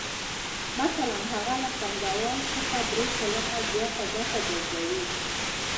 مثلاً هغه له پانګوال څخه درې سلنه زیاته ګټه ګرځوي